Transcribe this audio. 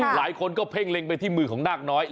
หลายคนก็เพ่งเล็งไปที่มือของนาคน้อย